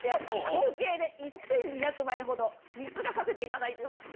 合計で１２００万円ほど貢がさせていただいてます。